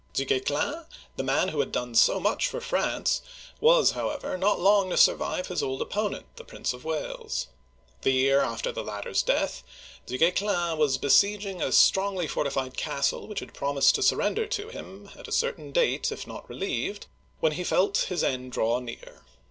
Du Guesclin, the man who had done so much for France, was, however, not long to survive his old opponent, the Prince of Wales. The year after the latter's death, Du Guesclin was besieging a strongly fortified castle which had promised to sur render to him at a certain date if not re lieved, when he felt his end draw near.